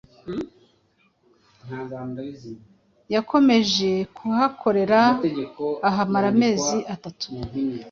Yakomeje kuhakorera ahamara amezi atatu